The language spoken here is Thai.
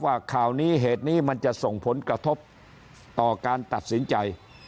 ข่าวนี้เหตุนี้มันจะส่งผลกระทบต่อการตัดสินใจ